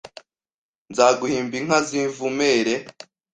Nzaguhimba inka zivumere